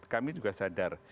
kami juga sadar